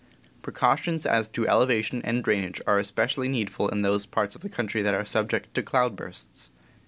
Precautions as to elevation and drainage are especially needful in those parts of our country that are subject to cloudbursts.